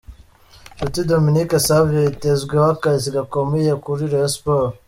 Nshuti Dominique Savio yitezweho akazi gakomeye kuri Rayon Sports.